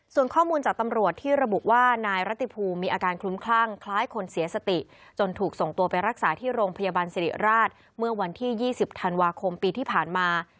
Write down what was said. ส่วนข้อมูลจากตำรวจที่ระบุว่านายรัติภูมิมีอาการคลุ้มคลั่งคล้ายคนเสียสติจนถูกส่งตัวไปรักษาที่โรงพยาบาลสิริราชเมื่อวันที่๒๐ธันวาคมปีที่ผ่านมา